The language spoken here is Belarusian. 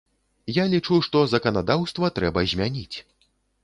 Я лічу, што заканадаўства трэба змяніць.